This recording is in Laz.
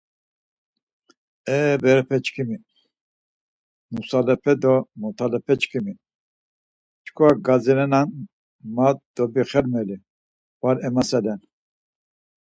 E berepe çkimi, nusalepe do motalepe çkimi çkva gadzirenan ma dobixarmeli, var emaselen.